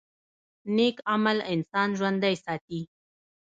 نیک عمل انسان ژوندی ساتي